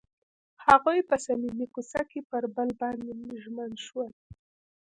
هغوی په صمیمي کوڅه کې پر بل باندې ژمن شول.